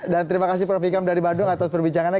dan terima kasih prof vikan dari bandung atas perbincangannya